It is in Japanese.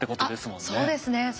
あっそうですね。